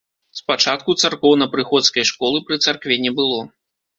Спачатку царкоўна-прыходскай школы пры царкве не было.